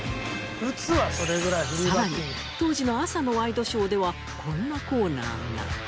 さらに当時の朝のワイドショーではこんなコーナーが。